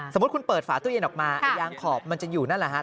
สมมุติคุณเปิดฝาตู้เย็นออกมาไอ้ยางขอบมันจะอยู่นั่นแหละฮะ